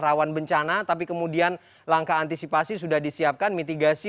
rawan bencana tapi kemudian langkah antisipasi sudah disiapkan mitigasi